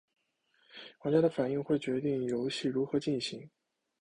玩家的反应会决定游戏如何进行。